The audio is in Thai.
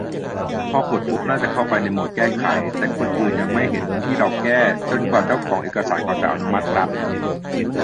พอกดปุ๊บ น่าจะเข้าไปที่โหมดแก้ไข แต่คนอื่นจะยังไม่เห็นที่เราแก้ จนกว่าเจ้าของเอกสารเขาจะอนุมัติครับ